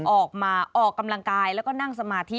ออกมาออกกำลังกายแล้วก็นั่งสมาธิ